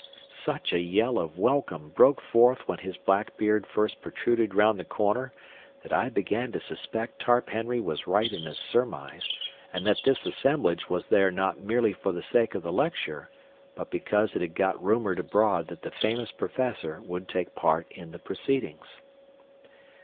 Such a yell of welcome broke forth when his black beard first protruded round the corner that I began to suspect Tarp Henry was right in his surmise, and that this assemblage was there not merely for the sake of the lecture, but because it had got rumored abroad that the famous Professor would take part in the proceedings.